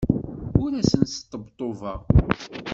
Ur asen-sṭebṭubeɣ.